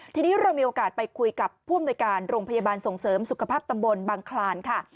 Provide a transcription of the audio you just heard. ทีนี้เรามีโอกาสไปคุยกับผู้อำนวยการโรงพยาบาลส่งเสริมสุขภาพตำบลบังคลานค่ะ